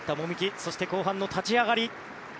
そして後半の立ち上がり。